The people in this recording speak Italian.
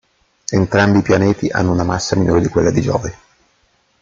Entrambi i pianeti hanno una massa minore di quella di Giove.